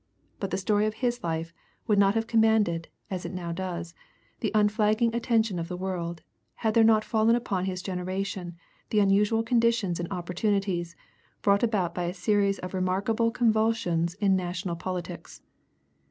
But the story of his life would not have commanded, as it now does, the unflagging attention of the world, had there not fallen upon his generation the unusual conditions and opportunities brought about by a series of remarkable convulsions in national politics.